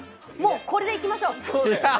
これでいきましょう！